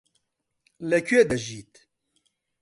لەکوێ دژیت؟